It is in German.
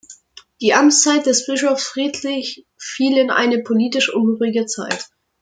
Die Amtszeit des Bischofs Friedrich fiel in eine politisch unruhige Zeit.